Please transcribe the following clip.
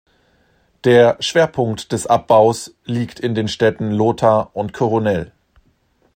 Der Schwerpunkt des Abbaus liegt in den Städten Lota und Coronel.